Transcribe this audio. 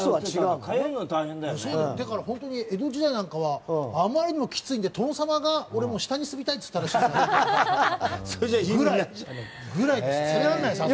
だから、本当に江戸時代なんかはあまりにもきついんで殿様が俺、下に住みたいと言ったらしいです。